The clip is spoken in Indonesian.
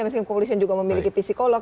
meskipun kepolisian juga memiliki psikolog